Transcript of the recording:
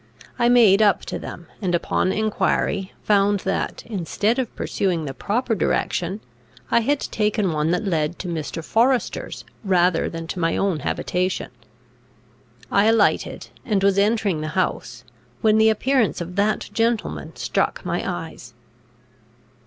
I made up to them, and upon enquiry found that, instead of pursuing the proper direction, I had taken one that led to Mr. Forester's rather than to my own habitation. I alighted, and was entering the house, when the appearance of that gentleman struck my eyes.